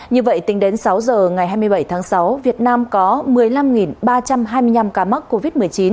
như vậy tính đến sáu giờ ngày hai mươi bảy tháng sáu việt nam có một mươi năm ba trăm hai mươi năm ca mắc covid một mươi chín